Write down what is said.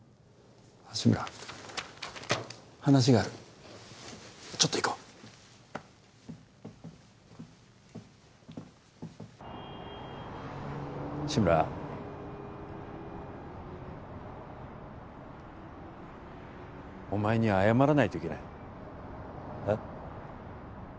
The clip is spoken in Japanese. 志村話があるちょっと行こう志村お前に謝らないといけないえっ？